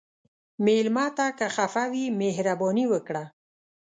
مېلمه ته که خفه وي، مهرباني وکړه.